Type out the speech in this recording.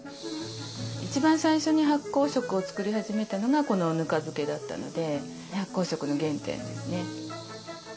一番最初に発酵食を作り始めたのがこのぬか漬けだったので発酵食の原点ですね。